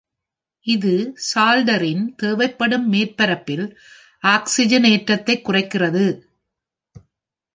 இது சால்டரின் தேவைப்படும் மேற்பரப்பில் ஆக்சிஜனேற்றத்தைக் குறைக்கிறது.